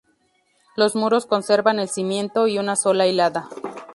Los muros conservan el cimiento y una sola hilada.